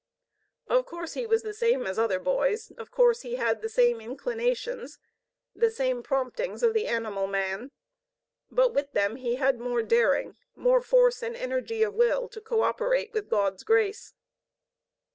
OF COURSE he was the same as other boys; OF COURSE he had the same inclinations, the same promptings of the animal man; but with them he had more daring, more force and energy of will to cooperate with God's grace.